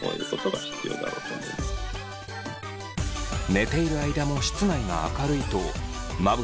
寝ている間も室内が明るいとまぶたを光が通り